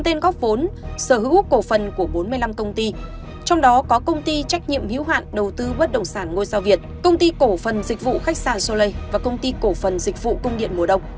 trong đó có công ty trách nhiệm hiếu hoạn đầu tư bất động sản ngôi sao việt công ty cổ phần dịch vụ khách sạn sô lê và công ty cổ phần dịch vụ công điện mùa đông